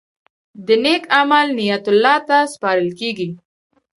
د نیک عمل نیت الله ته سپارل کېږي.